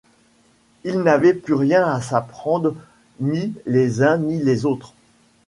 Ils n’avaient plus rien à s’apprendre ni les uns ni les autres.